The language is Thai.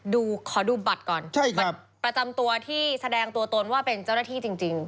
ขอดูบัตรก่อนบัตรประจำตัวที่แสดงตัวตนว่าเป็นเจ้าหน้าที่จริง